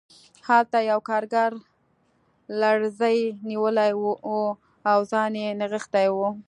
هلته یو کارګر لړزې نیولی و او ځان یې نغښتی و